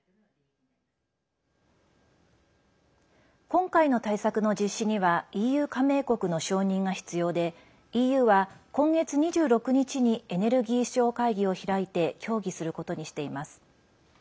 今回の対策の実施にはＥＵ加盟国の承認が必要でＥＵは今月２６日にエネルギー相会議を開いて協議することにしています。